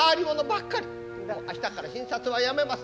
だから明日っから診察はやめます。